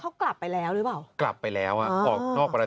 ตอนนี้ครับตำรวจมีการประสานกับผู้เสียหายแล้วก็ได้พูดคุยกันเบื้องต้นแล้ว